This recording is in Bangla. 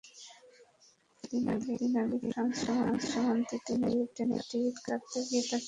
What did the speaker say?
দুই দিন আগে ইতালি-ফ্রান্স সীমান্তে ট্রেনের টিকিট কাটতে গিয়ে তার সঙ্গে পরিচয়।